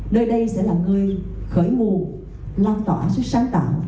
nơi đây sẽ là người khởi nguồn lan tỏa sức sáng tạo